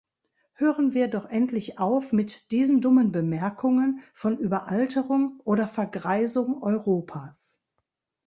Hören wir doch endlich auf mit diesen dummen Bemerkungen von Überalterung oder Vergreisung Europas!